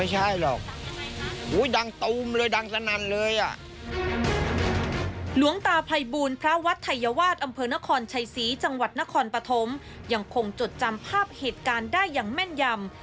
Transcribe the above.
หลวงตาภัยบูลพระวัดไทยวาสอำเภอนครชัยศรีจังหวัดนครปฐมยังคงจดจำภาพเหตุการณ์ได้อย่างแม่นยำ